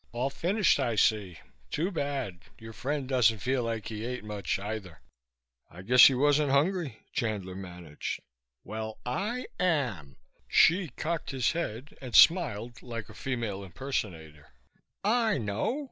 "All finished, I see. Too bad. Your friend doesn't feel like he ate much, either." "I guess he wasn't hungry," Chandler managed. "Well, I am." Hsi cocked his head and smiled like a female impersonator. "I know!